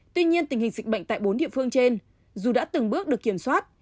tuy nhiên tình hình dịch bệnh tại bốn địa phương trên dù đã từng bước được kiểm soát